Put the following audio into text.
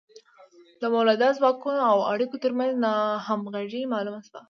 د مؤلده ځواکونو او اړیکو ترمنځ ناهمغږي معلومه شوه.